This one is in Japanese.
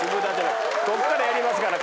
こっからやりますから。